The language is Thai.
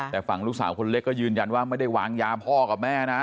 แต่ฝั่งลูกสาวคนเล็กก็ยืนยันว่าไม่ได้วางยาพ่อกับแม่นะ